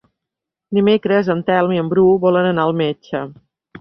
Dimecres en Telm i en Bru volen anar al metge.